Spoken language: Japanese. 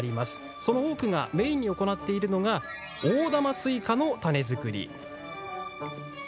その多くがメインに行っているのが大玉スイカの種作りです。